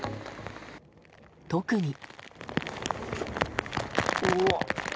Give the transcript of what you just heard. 特に。